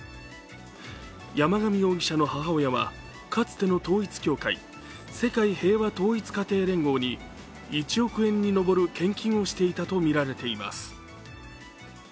山上容疑者の母親はかつての統一教会世界平和統一家庭連合に１億円にのぼる献金をしていたとみられています。